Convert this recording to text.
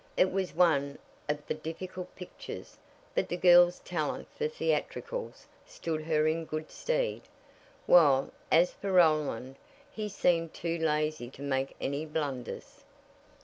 It was one of the difficult pictures, but the girl's talent for theatricals stood her in good stead, while, as for Roland, he seemed too lazy to make any blunders.